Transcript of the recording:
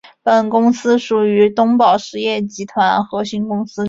本公司属于东宝实业集团核心公司之一。